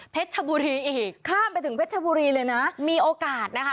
ชบุรีอีกข้ามไปถึงเพชรชบุรีเลยนะมีโอกาสนะคะ